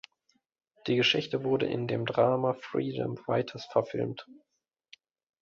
Die Geschichte wurde in dem Drama Freedom Writers verfilmt.